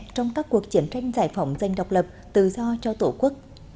trong các cuộc chiến tranh giải phóng dành độc lập tự do cho tổ quốc